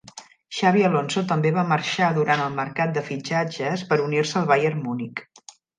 Xabi Alonso també va marxar durant el mercat de fitxatges per a unir-se al Bayern Munich.